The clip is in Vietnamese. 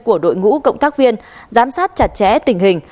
của đội ngũ cộng tác viên giám sát chặt chẽ tình hình